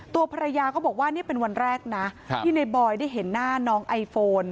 ตัวภรรยาก็บอกว่านี่เป็นวันแรกนะที่ในบอยได้เห็นหน้าน้องไอโฟน